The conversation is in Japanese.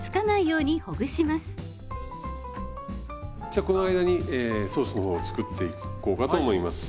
じゃこの間にソースの方を作っていこうかと思います。